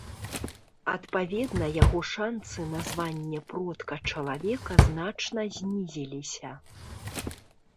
Адпаведна яго шанцы на званне продка чалавека значна знізіліся.